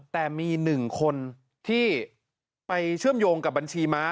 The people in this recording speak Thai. แต่มี๑คนที่ไปเชื่อมโยงกับบัญชีม้า